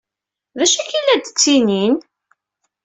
D acu akka ay la d-ttinin?!